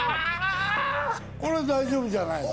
これで大丈夫じゃないの？